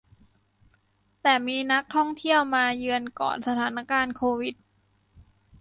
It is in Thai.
แต่มีนักท่องเที่ยวมาเยือนก่อนสถานการณ์โควิด